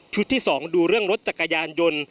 ที่๒ดูเรื่องรถจักรยานยนต์